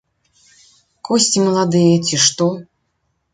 Косці маладыя, ці што!